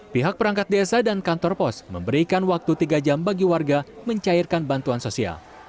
pihak perangkat desa dan kantor pos memberikan waktu tiga jam bagi warga mencairkan bantuan sosial